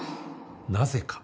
なぜか？